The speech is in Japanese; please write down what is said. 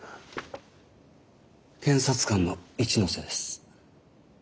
検察官の一ノ瀬です。